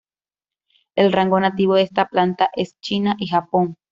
El rango nativo de esta planta es China y Japón.